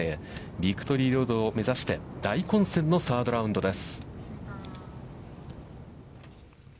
ビクトリーロードを目指して、大混戦のサードラウンドです。